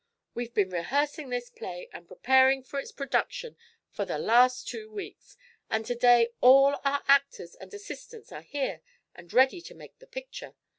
We've been rehearsing this play and preparing for its production for the last two weeks, and to day all our actors and assistants are here and ready to make the picture.